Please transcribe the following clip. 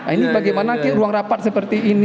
ini bagaimana ruang rapat seperti ini